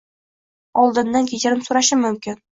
Oldindan kechirim so'rashim mumkin